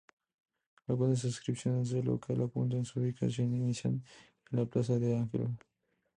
Algunas descripciones del local apuntan su ubicación inicial en la plaza del Ángel.